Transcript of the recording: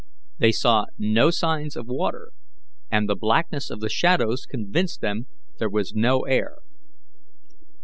They saw no signs of water, and the blackness of the shadows convinced them there was no air.